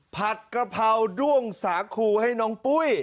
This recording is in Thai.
ผัดกระเพราด้วงสาคูให้น้องปุ้ย